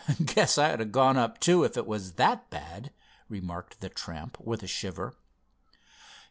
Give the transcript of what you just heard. "Guess I'd have gone up, too, if it was that bad," remarked the tramp with a shiver.